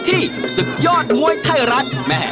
ศึกยอดมวยไทยรัฐ